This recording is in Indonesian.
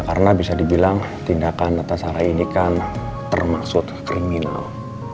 karena bisa dibilang tindakan tante sarah ini kan termaksud kriminal